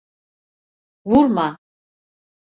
Vurma!